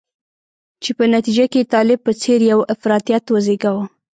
چې په نتیجه کې یې طالب په څېر یو افراطیت وزیږاوه.